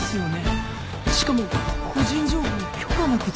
しかも個人情報を許可なく使ってる。